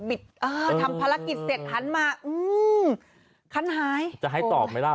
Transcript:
เออทำภารกิจเสร็จหันมาอืมคันหายจะให้ตอบไหมล่ะ